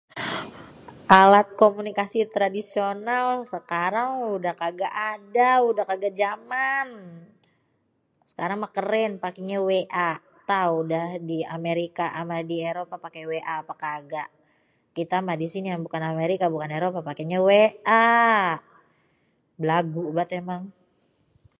alat kumonikasi tradisional, sekarang udéh kaga ada, udéh kaga jaman, sekarang mah keren pakénya [wa], tau dah di amerika ama di eropa paké [wa] apékaga kita mah di sini yang bukan amerika eropa méh pakénya [wa], belagu banget emang.